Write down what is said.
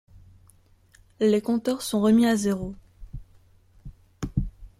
Les compteurs sont remis à zéro.